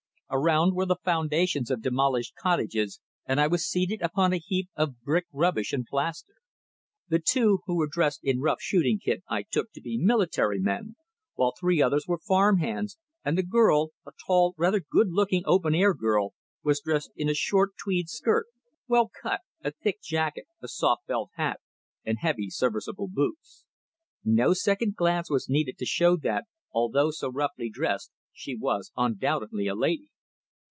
Around were the foundations of demolished cottages, and I was seated upon a heap of brick rubbish and plaster. The two who were dressed in rough, shooting kit I took to be military men, while three others were farm hands, and the girl a tall, rather good looking open air girl, was dressed in a short, tweed skirt, well cut, a thick jacket, a soft felt hat, and heavy, serviceable boots. No second glance was needed to show that, although so roughly dressed, she was undoubtedly a lady.